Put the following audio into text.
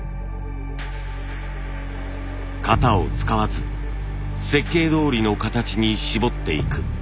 型を使わず設計どおりの形に絞っていく。